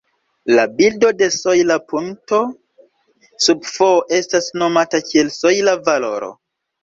La bildo de sojla punkto sub "f" estas nomata kiel la sojla valoro.